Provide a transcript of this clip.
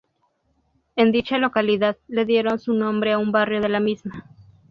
En dicha localidad, le dieron su nombre a un barrio de la misma.